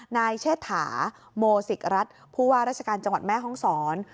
นายเชษฐาโมศิกรัฐผู้ว่าราชการจังหวัดแม่ห้องศร